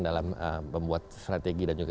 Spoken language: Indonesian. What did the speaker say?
dalam membuat strategi dan juga